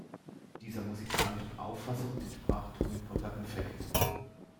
Dieser musikalischen Auffassung entsprach Tommy Potter perfekt.